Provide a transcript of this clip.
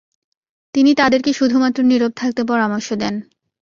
তিনি তাদেরকে শুধুমাত্র নীরব থাকতে পরামর্শ দেন।